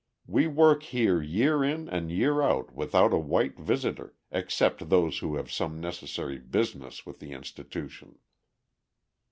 We work here year in and year out without a white visitor, except those who have some necessary business with the institution."